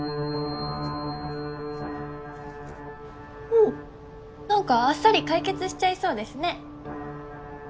おおなんかあっさり解決しちゃいそうですね。